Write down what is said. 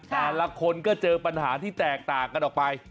แต่ละคนก็เจอปัญหาที่แตกต่างกันออกไป